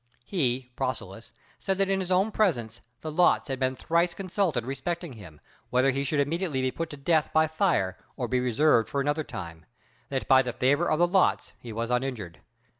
He [Procillus] said that in his own presence the lots had been thrice consulted respecting him, whether he should immediately be put to death by fire or be reserved for another time: that by the favor of the lots he was uninjured.